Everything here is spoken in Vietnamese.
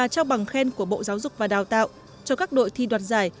của bộ giáo dục và đào tạo cho các đội thi đoạt giải